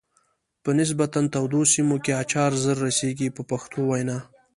په نسبتا تودو سیمو کې اچار زر رسیږي په پښتو وینا.